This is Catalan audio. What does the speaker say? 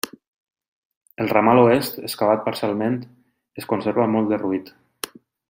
El ramal oest, excavat parcialment, es conserva molt derruït.